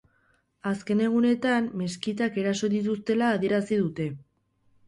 Azken egunetan meskitak eraso dituztela adierazi dute.